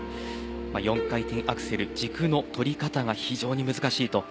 ４回転アクセル軸の取り方が非常に難しいと。